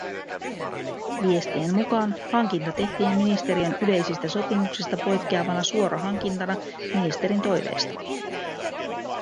Viestien mukaan hankinta tehtiin ministeriön yleisistä sopimuksista poikkeavana suorahankintana ministerin toiveesta